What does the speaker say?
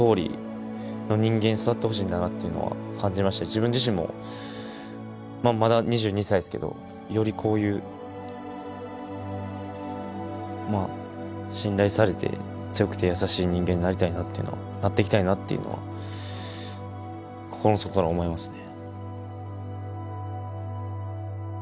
自分自身もまだ２２歳ですけどよりこういうまあ信頼されて強くて優しい人間になっていきたいなっていうのは心の底から思いますね。